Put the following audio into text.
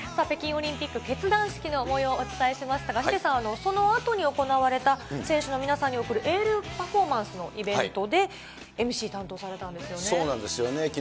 北京オリンピック結団式のもよう、お伝えしましたが、ヒデさん、そのあとに行われた選手の皆さんに送るエールパフォーマンスのイベントで、ＭＣ担当されたんですよね。